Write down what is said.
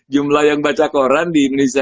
jumlah yang baca koran di indonesia